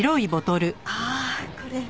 ああこれ。